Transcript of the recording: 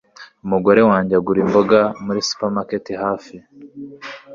Umugore wanjye agura imboga muri supermarket hafi.